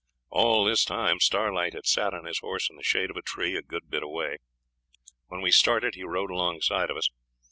All this time Starlight had sat on his horse in the shade of a tree a good bit away. When we started he rode alongside of us.